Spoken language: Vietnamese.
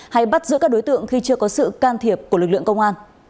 hay bắt giữ các đối tượng khi chưa có sự can thiệp của lực lượng công an